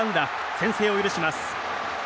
先制を許します。